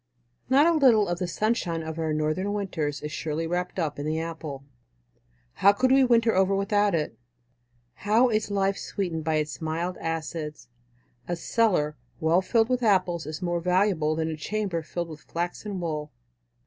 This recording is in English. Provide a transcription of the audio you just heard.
Not a little of the sunshine of our northern winters is surely wrapped up in the apple. How could we winter over without it! How is life sweetened by its mild acids! A cellar well filled with apples is more valuable than a chamber filled with flax and wool.